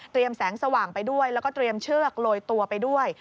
แสงสว่างไปด้วยแล้วก็เตรียมเชือกโลยตัวไปด้วย